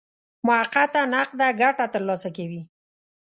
موقته نقده ګټه ترلاسه کوي.